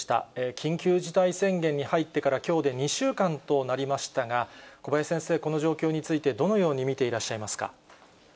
緊急事態宣言に入ってから、きょうで２週間となりましたが、小林先生、この状況についてどのように見ていらっしゃいますか。